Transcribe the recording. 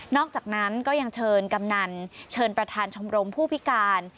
อกจากนั้นก็ยังเชิญกำนันเชิญประธานชมรมผู้พิการ